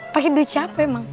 pakai duit siapa emang